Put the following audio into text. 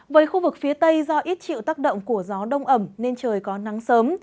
với khu vực phía tây do ít chịu tác động của gió đông ẩm nên trời có nắng sớm